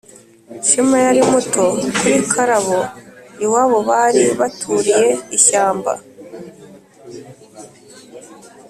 . Shema yari muto kuri Karabo. Iwabo bari baturiye ishyamba